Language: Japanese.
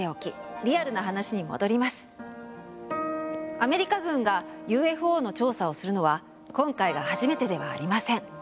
アメリカ軍がＵＦＯの調査をするのは今回が初めてではありません。